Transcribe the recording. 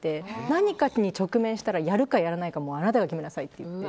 何かに直面したらやるか、やらないかあなたが決めなさいって。